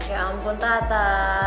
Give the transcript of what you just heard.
ya ampun tante